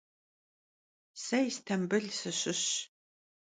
Se Yistambıl sışışş.